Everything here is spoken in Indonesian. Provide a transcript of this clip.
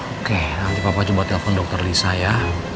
oke nanti papa coba telepon dokter lisa ya